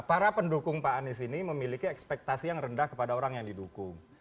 para pendukung pak anies ini memiliki ekspektasi yang rendah kepada orang yang didukung